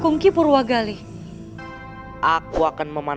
tapi dia berada di waterlake nea